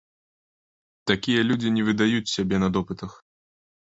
Такія людзі не выдаюць сябе на допытах.